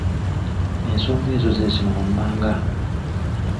Ensonga ezo ze zino wammanga.